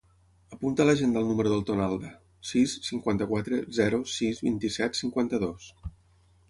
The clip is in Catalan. Apunta a l'agenda el número del Ton Alda: sis, cinquanta-quatre, zero, sis, vint-i-set, cinquanta-dos.